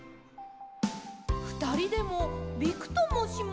ふたりでもびくともしません。